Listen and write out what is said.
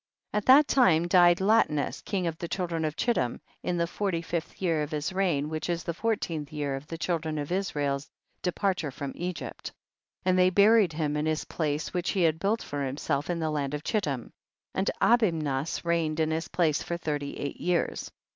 9. At that time died Latinus king of the children of Chittim, in the forty fifth year of his reign, which is the fourteenth year of the children of Israel's departure from Egypt. 10. And they buried him in his place which he had built for himself in the land of Chittim, and Abimnas reigned in his place for thirty eight years.